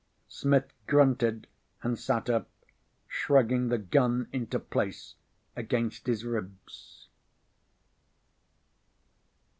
Smith grunted and sat up, shrugging the gun into place against his ribs.